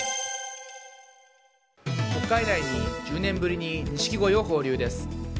国会内に１０年ぶりに錦鯉を放流です。